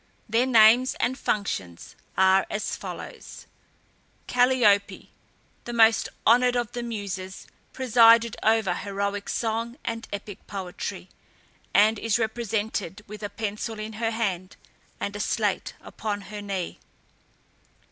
Their names and functions are as follows: CALLIOPE, the most honoured of the Muses, presided over heroic song and epic poetry, and is represented with a pencil in her hand, and a slate upon her knee.